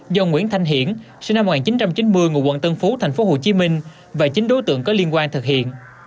do nguyễn thanh hiển sinh năm một nghìn chín trăm chín mươi ngụ quận tân phú tp hcm và chín đối tượng có liên quan thực hiện